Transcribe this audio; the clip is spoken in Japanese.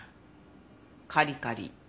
カリカリ。